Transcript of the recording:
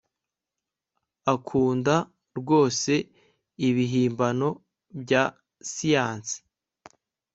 Akunda rwose ibihimbano bya siyanse